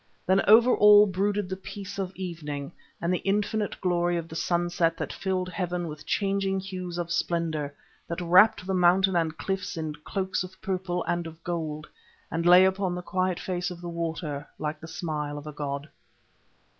Then over all brooded the peace of evening, and the infinite glory of the sunset that filled heaven with changing hues of splendour, that wrapped the mountain and cliffs in cloaks of purple and of gold, and lay upon the quiet face of the water like the smile of a god.